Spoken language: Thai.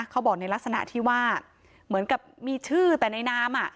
เขาบอกในลักษณะที่ว่าเหมือนกับมีชื่อแต่ในนาม